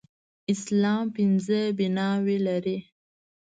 اسلام پينځه بلاوي لري.